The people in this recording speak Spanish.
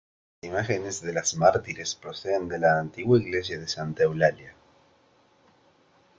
Las imágenes de las mártires proceden de la antigua iglesia de Santa Eulalia.